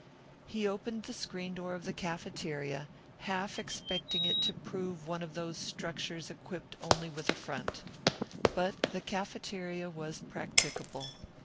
He opened the screen door of the cafeteria, half expecting it to prove one of those structures equipped only with a front. But the cafeteria was practicable.